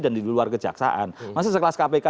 dan diluar kejaksaan masa sekelas kpk